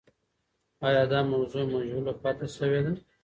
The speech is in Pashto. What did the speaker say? آیا دا موضوع مجهوله پاتې سوې ده؟